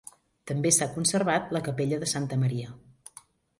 També s'ha conservat la capella de Santa Maria.